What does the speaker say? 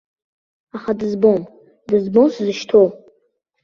Аха дызбом, дызбом сзышьҭоу.